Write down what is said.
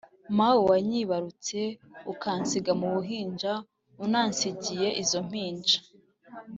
mawe wanyibarutse ukansiga mu buhinja unansigiye izo mpinja